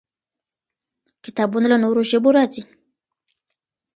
کتابونه له نورو ژبو راځي.